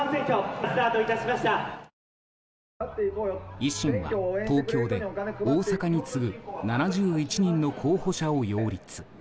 維新は東京で、大阪に次ぐ７１人の候補者を擁立。